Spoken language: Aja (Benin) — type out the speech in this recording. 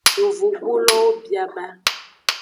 Yovogbulowo bia ba.